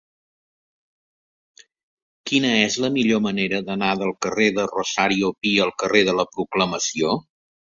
Quina és la millor manera d'anar del carrer de Rosario Pi al carrer de la Proclamació?